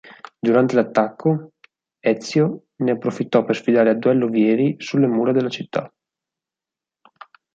Durante l'attacco, Ezio ne approfittò per sfidare a duello Vieri sulle mura della città.